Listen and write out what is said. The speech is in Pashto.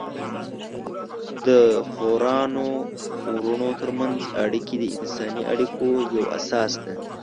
د خویندو ورونو ترمنځ اړیکې د انساني اړیکو یوه اساس ده.